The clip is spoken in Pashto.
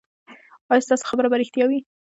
ایا ستاسو خبر به ریښتیا وي؟